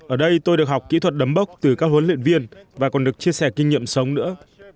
ở đây tôi được học kỹ thuật đấm bốc từ các huấn luyện viên và còn được chia sẻ kinh nghiệm sống nữa